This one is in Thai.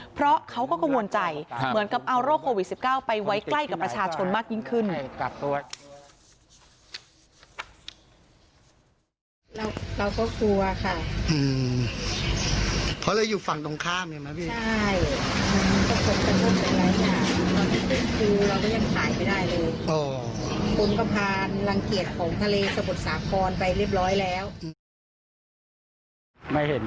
เพราะเขาก็กังวลใจเหมือนกับเอาโรคโควิด๑๙ไปไว้ใกล้กับประชาชนมากยิ่งขึ้น